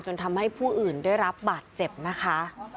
จนทำให้ผู้อื่นได้รับบาดเจ็บนะคะ